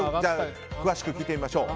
詳しく聞いてみましょう。